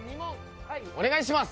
お願いします！